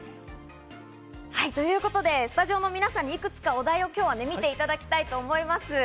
ということでスタジオの皆さんにいくつかお題を今日は見ていただきたいと思います。